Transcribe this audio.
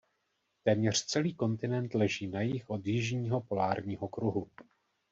Téměř celý kontinent leží na jih od jižního polárního kruhu.